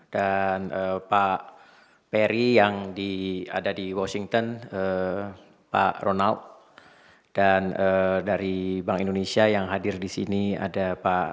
dan pak perry yang di ada di washington pak ronald dan dari bank indonesia yang hadir di sini ada pak